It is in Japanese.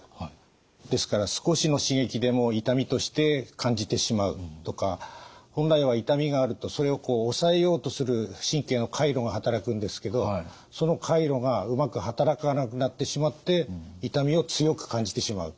ですから少しの刺激でも痛みとして感じてしまうとか本来は痛みがあるとそれを抑えようとする神経の回路が働くんですけどその回路がうまく働かなくなってしまって痛みを強く感じてしまうということがあります。